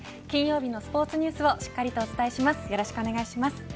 金曜日のスポーツニュースをお伝えします。